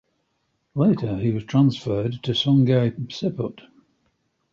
Later he was transferred to Sungai Siput.